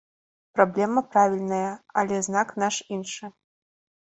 Праблема правільная, але знак наш іншы.